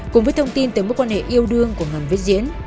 cùng với thông tin tới mối quan hệ yêu đương của ngành viết diễn